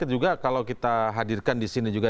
juga kalau kita hadirkan disini juga